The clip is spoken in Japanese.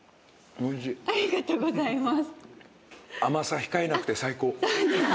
ありがとうございます。